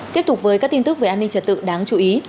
tiếp tục với các tin tức về an ninh trật tự đáng chú ý